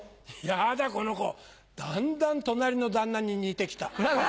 ヤダこの子だんだん隣の旦那に似てきた。